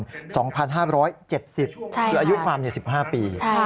คืออายุความ๑๕ปี